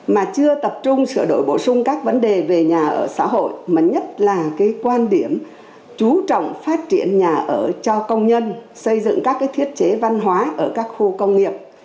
mà chưa tập trung sửa đổi bổ sung các vấn đề về nhà ở xã hội mà nhất là cái quan điểm chú trọng phát triển nhà ở cho công nhân xây dựng các thiết chế văn hóa ở các khu công nghiệp